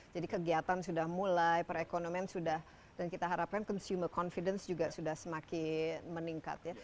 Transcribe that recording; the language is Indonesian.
jadi kegiatan sudah mulai perekonomian sudah dan kita harapkan consumer confidence juga sudah semakin meningkat ya